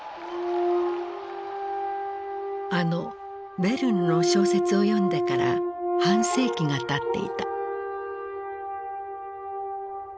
あのヴェルヌの小説を読んでから半世紀がたっていた。